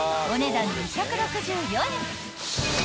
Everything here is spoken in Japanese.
［お値段２６４円！］